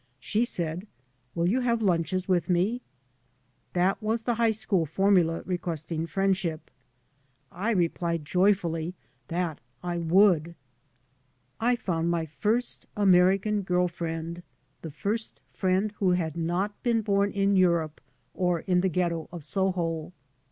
She said, " Will you have lunches with me ?" That was the high school formula requesting friendship. I replied joyfully that I would. I found my [9.1] 3 by Google MY MOTHER AND 1 first American girl friend, the first friend who bad not been bom in Europe or in the ghetto of Soho.